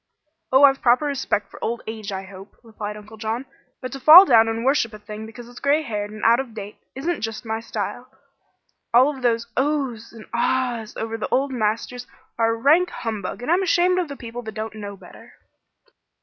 "Oh, I've a proper respect for old age, I hope," replied Uncle John; "but to fall down and worship a thing because it's gray haired and out of date isn't just my style. All of these 'Oh!'s' and 'Ahs!' over the old masters are rank humbug, and I'm ashamed of the people that don't know better."